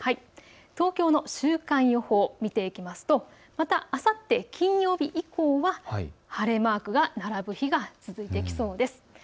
東京の週間予報を見ていきますとまたあさって金曜日以降は晴れマークが並ぶ日が続いてきそうです。